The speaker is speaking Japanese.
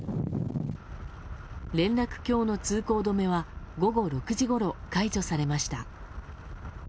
連絡橋の通行止めは午後６時ごろ解除されました。